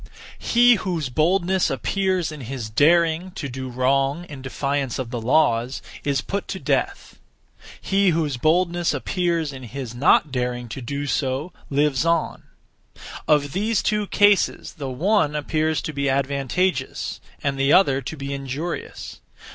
He whose boldness appears in his daring (to do wrong, in defiance of the laws) is put to death; he whose boldness appears in his not daring (to do so) lives on. Of these two cases the one appears to be advantageous, and the other to be injurious.